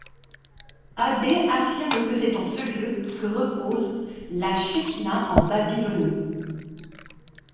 Abaye affirme que c'est en ce lieu que repose la Shekhinah en Babylonie.